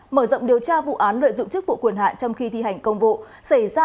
mở rộng điều tra vụ án lợi dụng chức vụ quyền hạn trong khi thi hành công vụ xảy ra